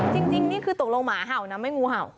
จริงนี่คือตกลงหมาเห่านะไม่งูเห่า